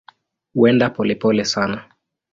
Huenda polepole sana.